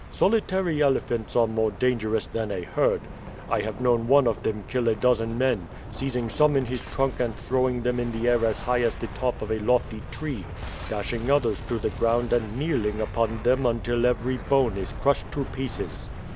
Solitary elephants are more dangerous than a herd. I have known one of them kill a dozen men, seizing some in his trunk and throwing them in the air as high as the top of a lofty tree, dashing others to the ground and kneeling upon them until every bone is crushed to pieces."